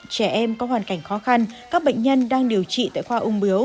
trẻ em có hoàn cảnh khó khăn các bệnh nhân đang điều trị tại khoa ung biếu